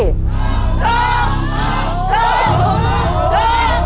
ถูกถูกถูก